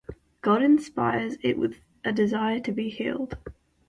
God inspires it with a desire to be healed.